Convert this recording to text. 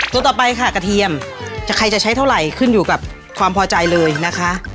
ตัวต่อไปค่ะกระเทียมใครจะใช้เท่าไหร่ขึ้นอยู่กับความพอใจเลยนะคะ